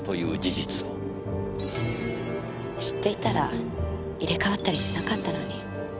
知っていたら入れ替わったりしなかったのに。